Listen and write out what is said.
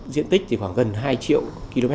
diện tích thì khoảng gần hai triệu km hai